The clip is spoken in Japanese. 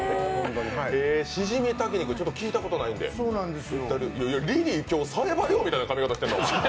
しじみ炊き肉聞いたことないので、リリー、今日冴羽りょうみたいな髪形してんな。